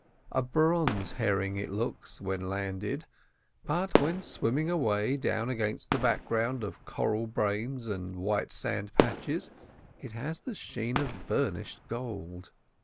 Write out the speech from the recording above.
A bronze herring it looks when landed, but when swimming away down against the background of coral brains and white sand patches, it has the sheen of burnished gold.